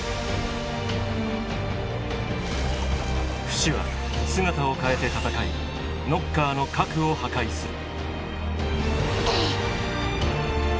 フシは姿を変えて戦いノッカーの「核」を破壊する。